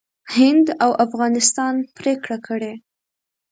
هند او افغانستان پرېکړه کړې